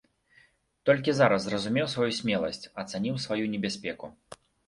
Толькі зараз зразумеў сваю смеласць, ацаніў сваю небяспеку.